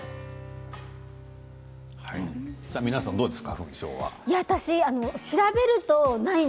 皆さんどうですか？